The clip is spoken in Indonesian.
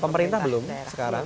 pemerintah belum sekarang